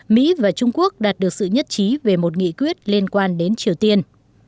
mỹ và trung quốc đạt được sự nhất trí về một nghị quyết liên quan đến triều tiên